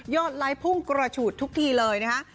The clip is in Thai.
ไลค์พุ่งกระฉูดทุกทีเลยนะคะ